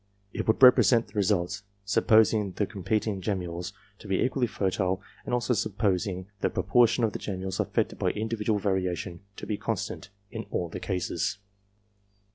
It would represent the results, supposing the competing " gemmules " to be equally fertile, and also supposing the proportion of the gemmules affected by individual variation, to be. constant in all the cases.